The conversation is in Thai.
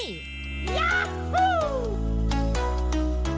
ย้าฮู้